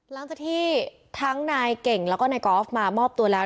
หลังจากที่ทั้งนายเก่งแล้วก็นายกอล์ฟมามอบตัวแล้ว